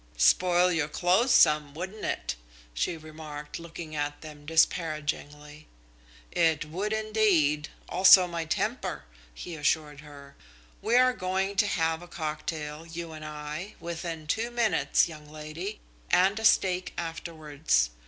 "Spoil your clothes some, wouldn't it?" she remarked, looking at them disparagingly. "It would indeed, also my temper," he assured her. "We are going to have a cocktail, you and I, within two minutes, young lady, and a steak afterwards.